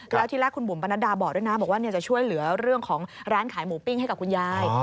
แล้วที่แรกคุณบุ๋มปนัดดาบอกด้วยนะบอกว่าจะช่วยเหลือเรื่องของร้านขายหมูปิ้งให้กับคุณยาย